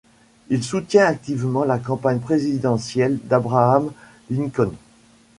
Il soutient activement la campagne présidentielle d'Abraham Lincoln.